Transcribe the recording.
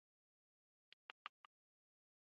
ابدي يا سرمدي ټکي راوړي وے